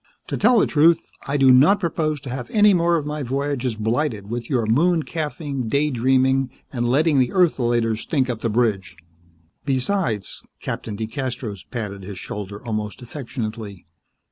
"To tell the truth, I do not propose to have any more of my voyages blighted with your moon calfing, day dreaming and letting the ertholaters stink up the bridge. Besides " Captain DeCastros patted his shoulder almost affectionately.